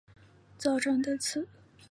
早川德次